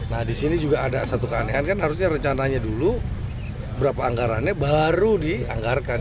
nah di sini juga ada satu keanehan kan harusnya rencananya dulu berapa anggarannya baru dianggarkan